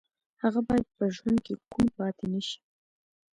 هغه باید په ژوند کې کوڼ پاتې نه شي